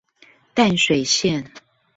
淡水線